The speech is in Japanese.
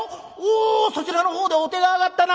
おそちらの方でお手が挙がったな。